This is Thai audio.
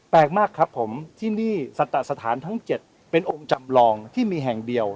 มากครับผมที่นี่สัตสถานทั้ง๗เป็นองค์จำลองที่มีแห่งเดียว